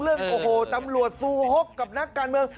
เรื่องตำรวจสู้หกกับนักการเมือง